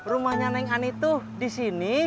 rumahnya neng ani tuh di sini